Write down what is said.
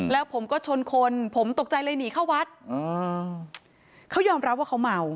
แล้วผมก็ชนคนผมตกใจเลยหนีเข้าวัดเขายอมรับว่าเขาเมา